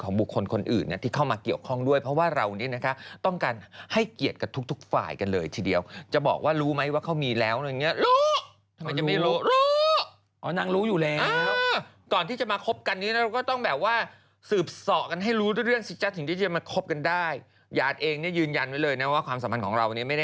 คุณแม่รู้จักรู้จักคุณแม่ไฟชายอีกไหม